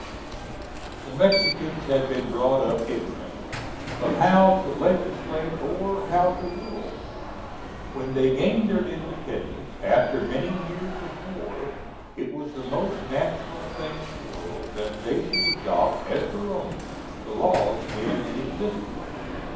The Mexicans had been brought up ignorant of how to legislate or how to rule. When they gained their independence, after many years of war, it was the most natural thing in the world that they should adopt as their own the laws then in existence.